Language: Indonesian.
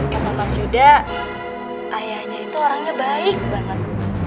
kata mas yuda ayahnya itu orangnya baik banget